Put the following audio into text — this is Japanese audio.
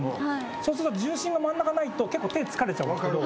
そうすると重心が真ん中にないと結構手疲れちゃうんですけど。